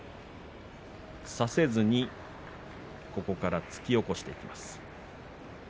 差せずに突き起こしていきます。